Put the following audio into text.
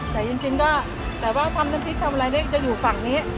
แต่จริงจริงก็แต่ว่าทำทั้งพิษทำอะไรได้ก็จะอยู่ฝั่งนี้